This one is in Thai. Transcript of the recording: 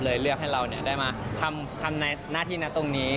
เลยเลือกให้เราเนี่ยได้มาทำหน้าที่ตรงนี้